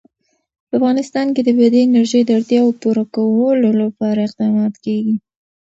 په افغانستان کې د بادي انرژي د اړتیاوو پوره کولو لپاره اقدامات کېږي.